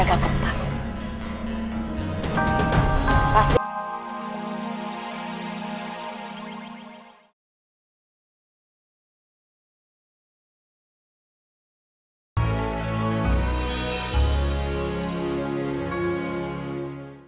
anda memang adalah tantang yang tersentuh di perumahan audara